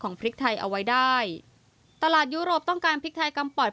พริกไทยเอาไว้ได้ตลาดยุโรปต้องการพริกไทยกำปอด